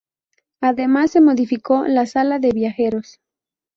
Además, se modificó la sala de viajeros.